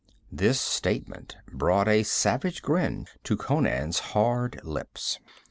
This statement brought a savage grin to Conan's hard lips.